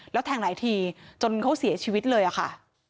แล้วแทงหลายทีจนเขาเสียชีวิตเลยอะค่ะ